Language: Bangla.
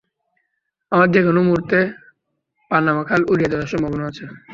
আমার যেকোনো মুহূর্তে পানামা খাল উড়িয়ে দেওয়ার সম্ভাবনা আছে।